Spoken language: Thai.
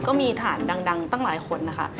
ก็มีฐานดังตั้งหลายคนนะคะ